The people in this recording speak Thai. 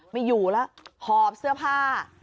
ไม่อยู่แล้วหอบเสื้อผ้า